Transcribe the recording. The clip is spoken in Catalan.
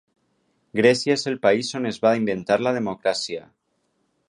Grècia és el país on es va inventar la democràcia.